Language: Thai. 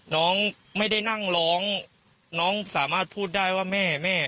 น้องไม่ได้นั่งร้องน้องสามารถพูดได้ว่าแม่แม่